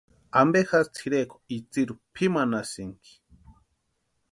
¿Ampe jásï tʼirekwa itsarhu pʼimanhasïnki?